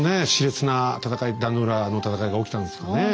熾烈な戦い壇の浦の戦いが起きたんですね。